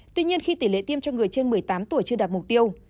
tuy nhiên khi tỷ lệ tiêm cho người trên một mươi tám tuổi chưa đạt mục tiêu